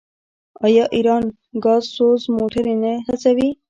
آیا ایران ګازسوز موټرې نه هڅوي؟